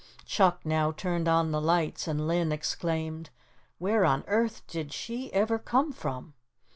Chuck now turned on the lights and Linn exclaimed: "Where on earth did she ever come from?"